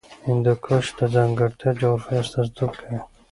هندوکش د ځانګړې جغرافیې استازیتوب کوي.